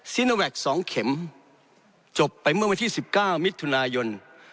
ซีโนแวคสองเข็มจบไปเมื่อวันที่สิบเก้ามิถุนายน